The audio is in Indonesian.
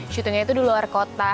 situngnya itu di luar kota